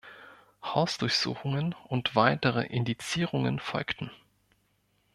Hausdurchsuchungen und weitere Indizierungen folgten.